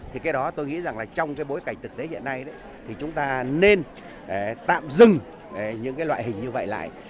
thì tôi nghĩ trong bối cảnh thực tế hiện nay chúng ta nên tạm dừng những loại hình như vậy lại